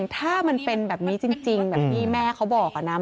ถ้ามันเป็นแบบนี้จริงแบบที่แม่เขาบอกอะนะ